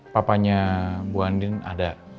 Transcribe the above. papanya bu andin ada